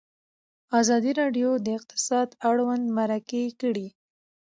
ازادي راډیو د اقتصاد اړوند مرکې کړي.